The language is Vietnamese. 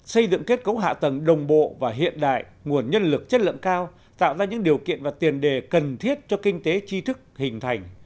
xây dựng kết cấu hạ tầng đồng bộ và hiện đại nguồn nhân lực chất lượng cao tạo ra những điều kiện và tiền đề cần thiết cho kinh tế chi thức hình thành